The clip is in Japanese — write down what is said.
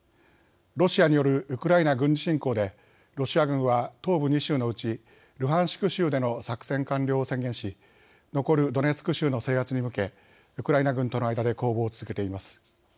ロシアによるウクライナ軍事侵攻でロシア軍は東部２州のうちルハンシク州での作戦完了を宣言し残るドネツク州の制圧に向けウクライナ軍との間で攻防を続けています。